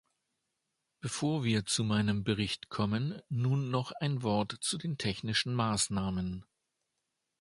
Bevor wir zu meinem Bericht kommen, nun noch ein Wort zu den technischen Maßnahmen.